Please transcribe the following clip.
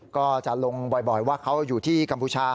ก็จะลงบ่อยว่าเขาอยู่ที่กัมพูชา